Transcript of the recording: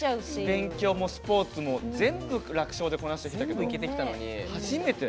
勉強もスポーツも全部、楽勝でこなしてきたけど初めて。